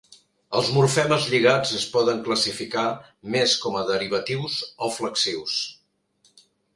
Els morfemes lligats es poden classificar més com a derivatius o flexius.